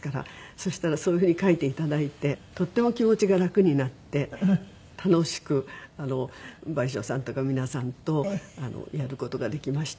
そしたらそういう風に書いていただいてとても気持ちが楽になって楽しく倍賞さんとか皆さんとやる事ができました。